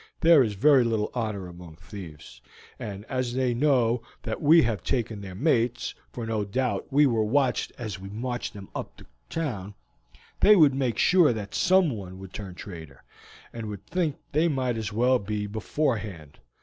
There is very little honor among thieves; and as they know that we have taken their mates for no doubt we were watched as we marched them up the town they would make sure that someone would turn traitor, and would think they might as well be beforehand.